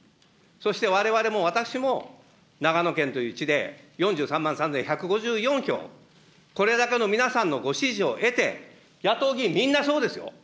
そして、われわれも、私も、長野県という地で、４３万３１５４票、これだけの皆さんのご支持を得て、野党議員、みんなそうですよ。